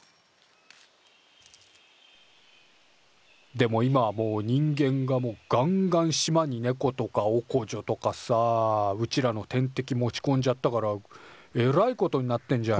でも今はもう人間ががんがん島にネコとかオコジョとかさうちらの天敵持ちこんじゃったからえらいことになってんじゃんよ。